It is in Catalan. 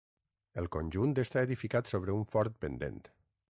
El conjunt està edificat sobre un fort pendent.